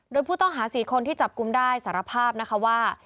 โดยผู้ต้องหา๔คนที่จับกลุ่มได้สารภาพนะคะว่า